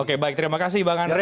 oke baik terima kasih bang andre